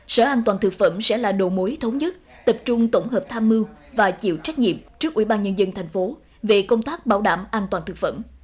sở an toàn thực phẩm sẽ là đầu mối thống nhất tập trung tổng hợp tham mưu và chịu trách nhiệm trước ủy ban nhân dân thành phố về công tác bảo đảm an toàn thực phẩm